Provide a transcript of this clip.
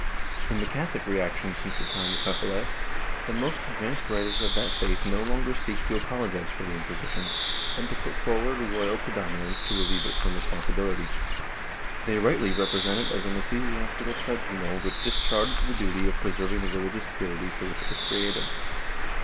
^ In the Catholic reaction since the time of Hefele, the most advanced writers of that faith no longer seek to apologize for the Inquisition, and to put forward royal predominance to relieve it from respon sibility. They rightly represent it as an ecclesiastical tribunal which discharged the duty of preserving the religious purity for which it was created.